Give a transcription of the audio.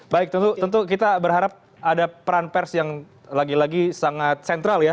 baik tentu kita berharap ada peran pers yang lagi lagi sangat sentral ya